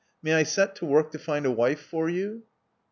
May I set to work to find a wife for you?